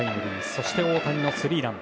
そして大谷のスリーラン。